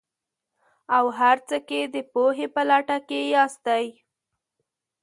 او هر څه کې د پوهې په لټه کې ياستئ.